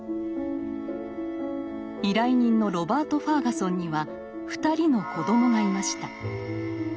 依頼人のロバート・ファーガソンには２人の子どもがいました。